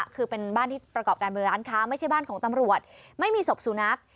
คือเป็นบ้านที่ประกอบการบริเวณร้านค้าไม่ใช่บ้านของตำรวจไม่มีศพสุนัข